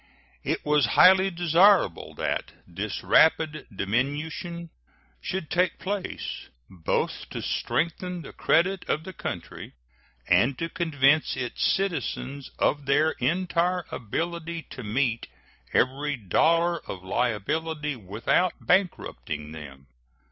It was highly desirable that this rapid diminution should take place, both to strengthen the credit of the country and to convince its citizens of their entire ability to meet every dollar of liability without bankrupting them.